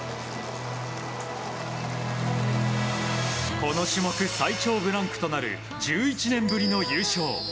この種目、最長ブランクとなる１１年ぶりの優勝。